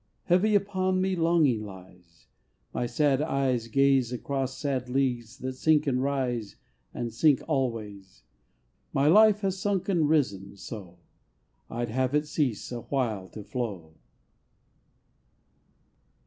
Heavy upon me longing lies, My sad eyes gaze Across sad leagues that sink and rise And sink always. My life has sunk and risen so, I'd have it cease awhile to flow.